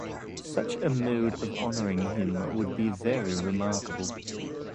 Such a mode of honoring him would be very remarkable.